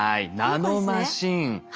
ナノマシン。